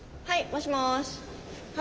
はい。